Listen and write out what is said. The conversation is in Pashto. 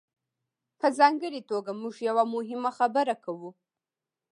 په ځانګړې توګه موږ یوه مهمه خبره کوو.